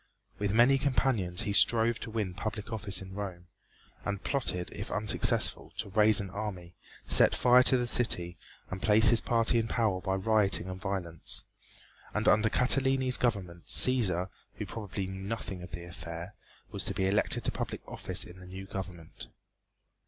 With many companions he strove to win public office in Rome, and plotted, if unsuccessful, to raise an army, set fire to the city and place his party in power by rioting and violence. And under Catiline's government Cæsar, who probably knew nothing of the affair, was to be elected to public office in the new government.